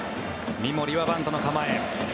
三森はバントの構え。